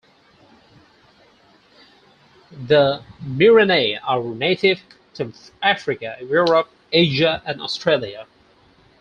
The Murinae are native to Africa, Europe, Asia, and Australia.